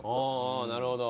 ああなるほど。